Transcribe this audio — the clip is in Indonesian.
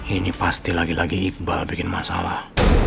ini pasti lagi lagi iqbal bikin masalah